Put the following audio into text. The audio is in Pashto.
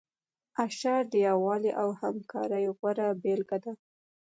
اشر د یووالي او همکارۍ غوره بیلګه ده.